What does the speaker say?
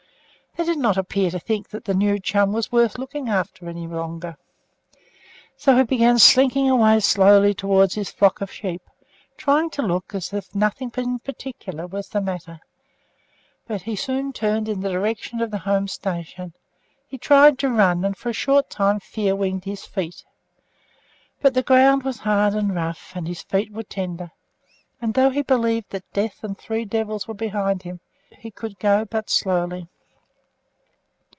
They did not appear to think that the new chum was worth looking after any longer. So he began slinking away slowly towards his flock of sheep, trying to look as if nothing in particular was the matter; but he soon turned in the direction of the home station. He tried to run, and for a short time fear winged his feet; but the ground was hard and rough, and his feet were tender; and though he believed that death and three devils were behind him, he could go but slowly.